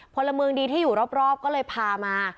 พลเมืองดีที่อยู่รอบก็เลยพามา